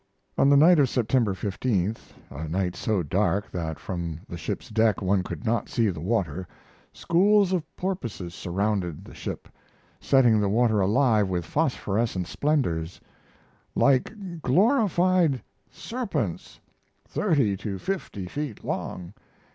On the night of September 15th a night so dark that from the ship's deck one could not see the water schools of porpoises surrounded the ship, setting the water alive with phosphorescent splendors: "Like glorified serpents thirty to fifty feet long.